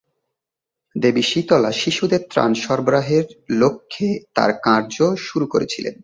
দেবী শীতলা শিশুদের ত্রাণ সরবরাহের লক্ষ্যে তাঁর কার্য শুরু করেছিলেন।